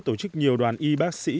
tổ chức nhiều đoàn y bác sĩ